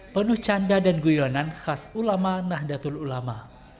penuh canda dan guyonan khas ulama nahdlatul ulama